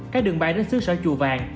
các đường bay đến xứ sở chùa vàng